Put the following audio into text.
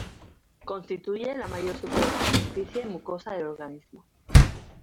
Constituye la mayor superficie mucosa del organismo.